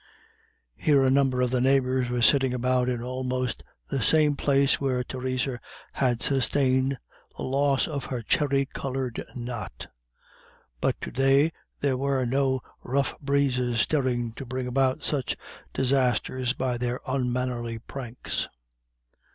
Here a number of the neighbours were sitting about in almost the same place where Theresa had sustained the loss of her cherry coloured knot. But to day there were no rough breezes stirring to bring about such disasters by their unmannerly pranks.